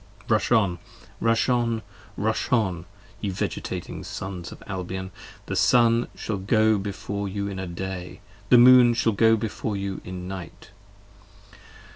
50 Rush on! Rush on! Rush on! ye vegetating Sons of Albion ! The Sun shall go before you in Day: the Moon shall go Before you in Night.